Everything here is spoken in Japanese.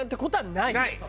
ない！